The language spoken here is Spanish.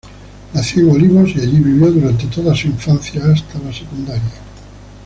Nació en Olivos y allí vivió durante toda su infancia hasta la secundaria.